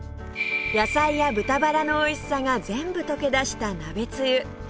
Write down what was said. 野菜や豚バラのおいしさが全部溶け出した鍋つゆ